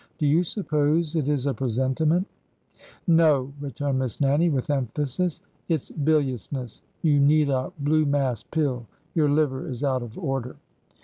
Do you suppose it is a presentiment ?" No 1 " returned Miss Nannie, with emphasis. It 's biliousness! You need a blue mass pill. Your liver is out of order."